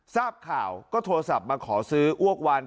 ทราบข่าวก็โทรศัพท์มาขอซื้ออ้วกวาน